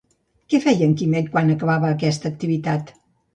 Què feia en Quimet quan acabava aquesta activitat?